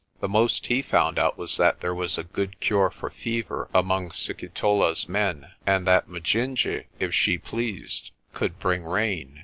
The most he found out was that there was a good cure for fever among Sikitola's men, and that Majinje, if she pleased, could bring rain.